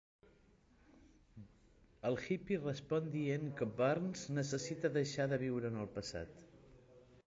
El hippie respon dient que Burns necessita deixar de viure en el passat.